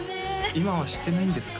今はしてないんですか？